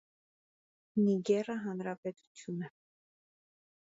Նիգերը հանրապետություն է։